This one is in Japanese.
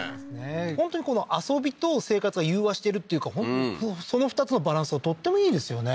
本当に遊びと生活が融和してるっていうかその２つのバランスがとってもいいですよね